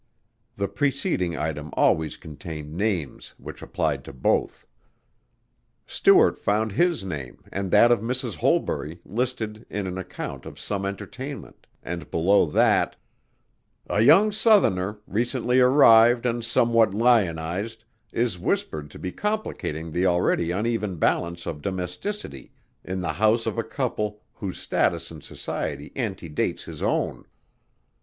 The preceding item always contained names which applied to both. Stuart found his name and that of Mrs. Holbury listed in an account of some entertainment and below that: "A young Southerner, recently arrived and somewhat lionized, is whispered to be complicating the already uneven balance of domesticity in the home of a couple whose status in society antedates his own.